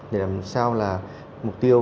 để làm sao là mục tiêu